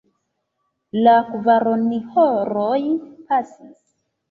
La kvaronhoroj pasis.